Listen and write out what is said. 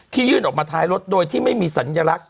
ยื่นออกมาท้ายรถโดยที่ไม่มีสัญลักษณ